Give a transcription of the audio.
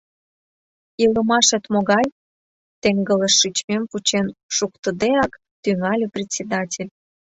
— Илымашет могай? — теҥгылыш шичмем вучен шуктыдеак, тӱҥале председатель.